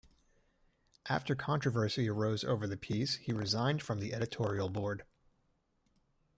After controversy arose over the piece he resigned from the editorial board.